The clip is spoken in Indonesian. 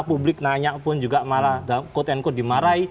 publik nanya pun juga malah dimarahi